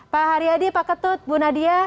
pak haryadi pak ketut bu nadia